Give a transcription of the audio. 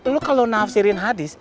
lu kalau nafsirin hadis